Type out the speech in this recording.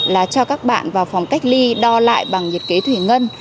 là cho các bạn vào phòng cách ly đo lại bằng nhiệt kế thủy ngân